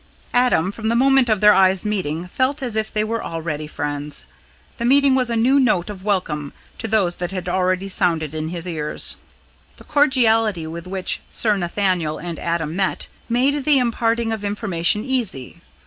Adam, from the moment of their eyes meeting, felt as if they were already friends. The meeting was a new note of welcome to those that had already sounded in his ears. The cordiality with which Sir Nathaniel and Adam met, made the imparting of information easy.